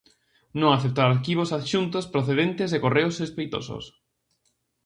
Non aceptar arquivos adxuntos procedentes de correos sospeitosos.